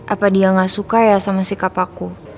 apa dia gak suka ya sama sikap aku